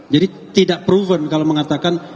tidak proven kalau mengatakan